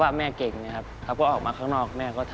ย่าเขาบอกว่าพาไปหาลงพ่อที่ศรีสะเกษ